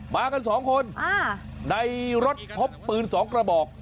มากันสองคนในรถพบปืน๒กระบอก